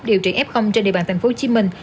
điều trị f trên địa bàn thành phố hồ chí minh